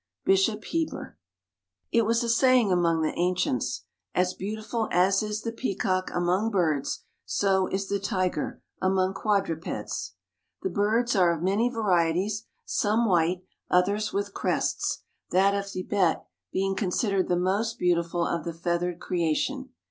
Bishop Heber. It was a saying among the ancients, "As beautiful as is the peacock among birds, so is the tiger among quadrupeds." The birds are of many varieties, some white, others with crests; that of Thibet being considered the most beautiful of the feathered creation.